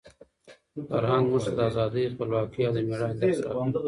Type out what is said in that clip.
فرهنګ موږ ته د ازادۍ، خپلواکۍ او د مېړانې درس راکوي.